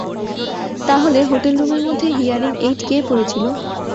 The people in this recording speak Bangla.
তাহলে হোটেল রুমের মধ্যে হিয়ারিং এইড কে পরে ছিল?